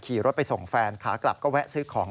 รถไปส่งแฟนขากลับก็แวะซื้อของ